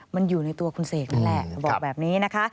มันอยู่ในตัวคุณเสกนั่นแหละเขาบอกแบบนี้นะคะ